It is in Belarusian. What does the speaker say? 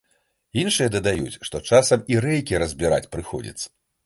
Іншыя дадаюць, што часам і рэйкі разбіраць прыходзіцца.